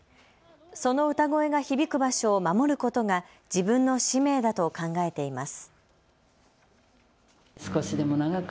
その歌声が響く場所を守ることが自分の使命だと考えています。